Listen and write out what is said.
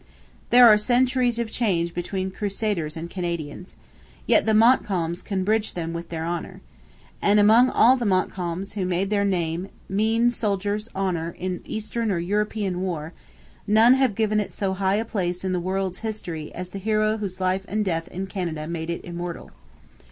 There are centuries of change between Crusaders and Canadians. Yet the Montcalms can bridge them with their honour. And, among all the Montcalms who made their name mean soldier's honour in Eastern or European war, none have given it so high a place in the world's history as the hero whose life and death in Canada made it immortal.